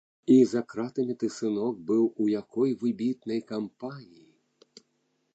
І за кратамі ты, сынок, быў у якой выбітнай кампаніі!